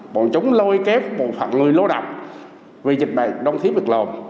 bọn chúng lôi kép một phần người lô đọc vì dịch bệnh đông thiếp việc lộn